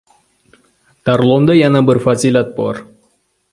Tarlonda yana bir fazilat bor.